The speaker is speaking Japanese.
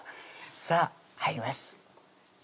さぁ入ります